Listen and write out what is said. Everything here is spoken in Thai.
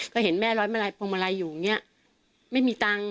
ก็เห็นแม่ร้อยมาลัยพวงมาลัยอยู่อย่างนี้ไม่มีตังค์